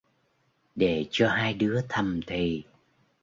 Để cho hai đứa thầm thì